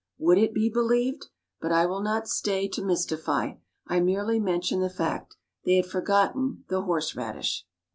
Would it be believed! but I will not stay to mystify I merely mention the fact. They had forgotten the horseradish.